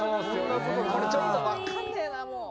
ちょっと分かんねえなもう。